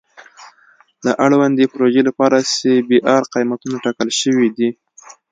د اړوندې پروژې لپاره سی بي ار قیمتونه ټاکل شوي دي